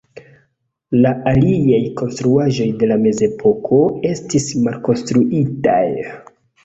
La aliaj konstruaĵoj de la Mezepoko estis malkonstruitaj.